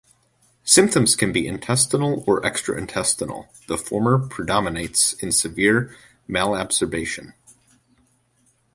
Symptoms can be intestinal or extra-intestinal - the former predominates in severe malabsorption.